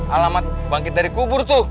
alamat bangkit dari kubur tuh